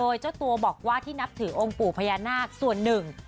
โดยเจ้าตัวบอกว่าที่นับถือองค์ปู่พญานาคส่วนหนึ่ง